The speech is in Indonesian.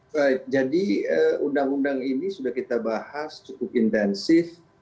baik jadi undang undang ini sudah kita bahas cukup intensif